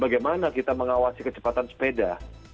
bagaimana kita mengawasi kecepatan sepeda